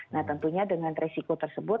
nah tentunya dengan resiko tersebut